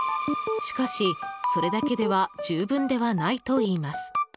しかし、それだけでは十分ではないといいます。